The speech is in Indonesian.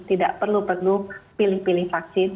tidak perlu perlu pilih pilih vaksin